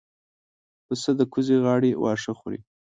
پسه د کوزې غاړې واښه خوري.